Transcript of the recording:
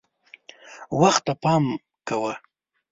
وخت ته پام کوه .